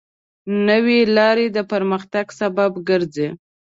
نوې لارې د پرمختګ سبب ګرځي.